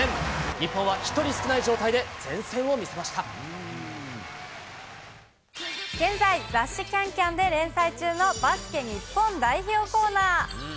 日本は１人少ない状態で、現在、雑誌、ＣａｎＣａｍで連載中のバスケ日本代表コーナー。